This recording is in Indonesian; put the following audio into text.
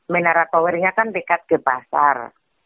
menara towernya kan dekat ke pasar